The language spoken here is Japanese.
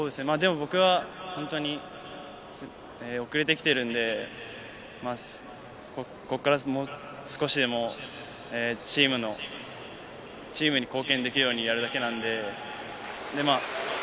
僕は本当に遅れて来ているので、ここからはもう少しでもチームに貢献できるようにやるだけなので。